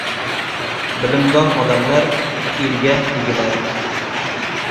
Bilimdon odamlar elga egilar.